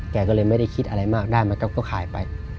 แกก็เลยไม่ได้คิดอะไรมากได้มันก็ขายไป